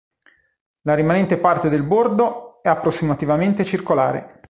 La rimanente parte del bordo è approssimativamente circolare.